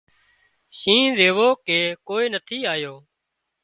شِينهئي زويُون ڪي ڪوئي نٿي آيون